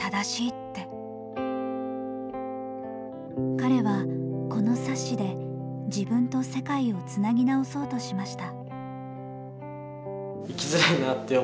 彼はこの冊子で自分と世界をつなぎ直そうとしました。